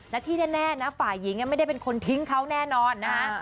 และที่แน่นะฝ่ายหญิงไม่ได้เป็นคนทิ้งเขาแน่นอนนะฮะ